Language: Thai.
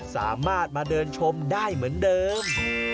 สามารถมาเดินชมได้เหมือนเดิม